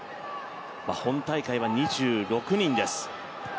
本大会は２６人ですね。